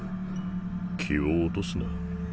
気を落とすな。